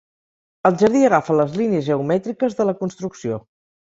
El jardí agafa les línies geomètriques de la construcció.